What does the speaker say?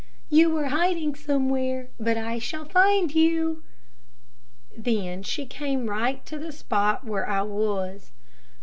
You are hiding somewhere, but I shall find you." Then she came right to the spot where I was.